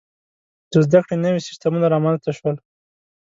• د زده کړې نوي سیستمونه رامنځته شول.